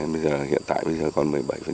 bây giờ hiện tại còn một mươi bảy